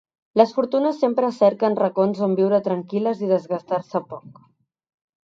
Les fortunes sempre cerquen racons on viure tranquil·les i desgastar-se poc.